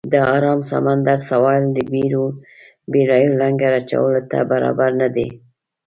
د آرام سمندر سواحل د بېړیو لنګر اچولو ته برابر نه دی.